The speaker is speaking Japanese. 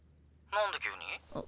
何で急に？